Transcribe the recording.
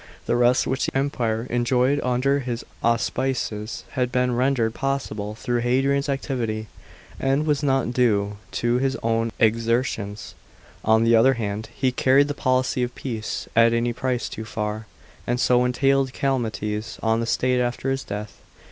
The rest which the Empire enjoyed under his auspices had been rendered possible through Hadrian's activity, and was not due to his own exertions ; on the other hand, he carried the policy of peace at any price too far, and so entailed calamities on the state after his death.